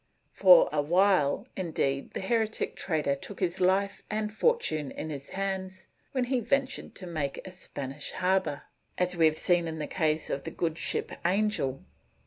For awhile, indeed, the heretic trader took his life and fortune in his hands when he ventured to make a Spanish harbor, as we have seen in the case of the good ship Angel.